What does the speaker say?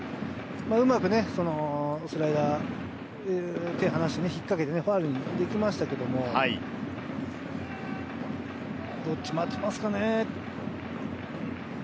うまくスライダー、手を離して、引っかけて、ファウルにできましたけども、どっちを待ってますかね。